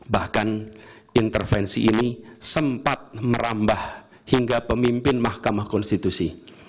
bahkan intervensi ini sempat merambah hingga pemimpin mahkamah konstitusi